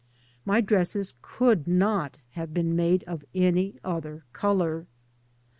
My dresses could not have been made of any other colour.